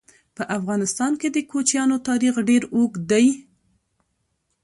په افغانستان کې د کوچیانو تاریخ ډېر اوږد دی.